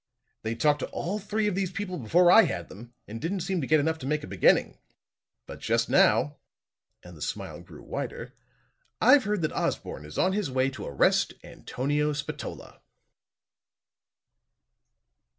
They talked to all three of these people before I had them, and didn't seem to get enough to make a beginning. But just now," and the smile grew wider, "I've heard that Osborne is on his way to arrest Antonio Spatola."